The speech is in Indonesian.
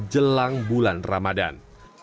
jelang bulan ramadan